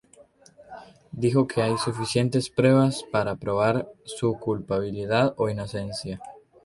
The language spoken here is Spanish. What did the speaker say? Dijo que hay suficientes pruebas para probar su culpabilidad o inocencia.